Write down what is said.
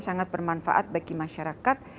sangat bermanfaat bagi masyarakat